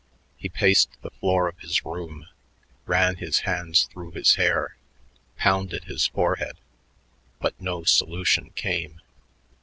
He paced the floor of his room, ran his hands through his hair, pounded his forehead; but no solution came.